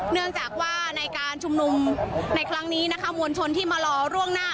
เนื่องจากว่าในการชุมนุมในครั้งนี้นะคะมวลชนที่มารอล่วงหน้า